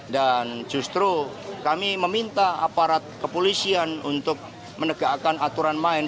dan justru kami meminta aparat kepolisian untuk menegakkan aturan main